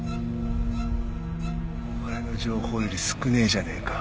お前の情報より少ねえじゃねえか。